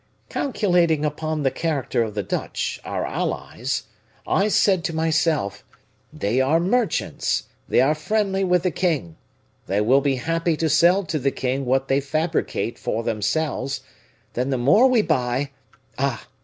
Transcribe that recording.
"Calculating upon the character of the Dutch, our allies, I said to myself, 'They are merchants, they are friendly with the king; they will be happy to sell to the king what they fabricate for themselves; then the more we buy' Ah!